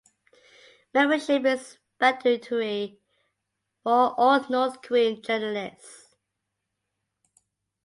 Membership is mandatory for all North Korean journalists.